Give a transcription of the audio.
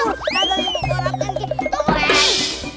aduh aduh aduh